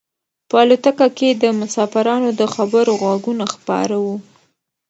په الوتکه کې د مسافرانو د خبرو غږونه خپاره وو.